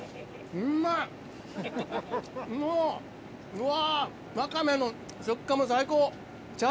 うわ！